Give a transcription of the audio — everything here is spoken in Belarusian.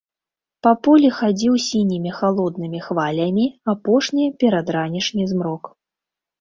Па полі хадзіў сінімі халоднымі хвалямі апошні перадранішні змрок.